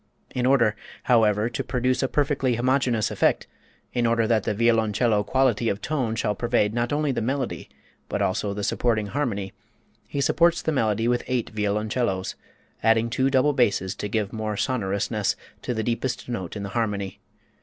In order, however, to produce a perfectly homogenous effect, in order that the violoncello quality of tone shall pervade not only the melody, but also the supporting harmony, he supports the melody with eight violoncellos, adding two double basses to give more sonorousness to the deepest note in the harmony.